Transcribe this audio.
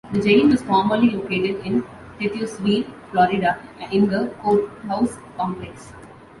The jail was formerly located in Titusville, Florida, in the Courthouse complex.